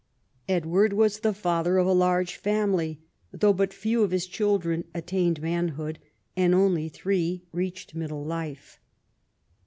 Edward was the father of a large family, though but few of his children attained manhood, and only three reached middle life.